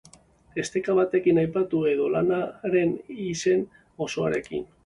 esteka batekin aipatu edo lanaren izen osoarekin.